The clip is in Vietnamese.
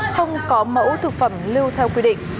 không có mẫu thực phẩm lưu theo quy định